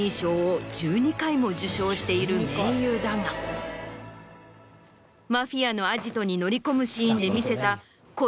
している名優だがマフィアのアジトに乗り込むシーンで見せた。